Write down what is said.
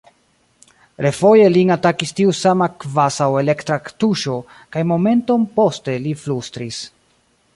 Refoje lin atakis tiu sama kvazaŭ elektra ektuŝo, kaj momenton poste li flustris: